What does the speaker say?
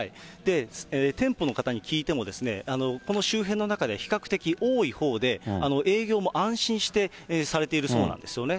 店舗の方に聞いても、この周辺の中では比較的多いほうで、営業も安心してされているそうなんですよね。